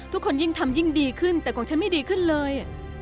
ยิ่งทำยิ่งดีขึ้นแต่ของฉันไม่ดีขึ้นเลย